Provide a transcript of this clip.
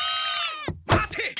待て！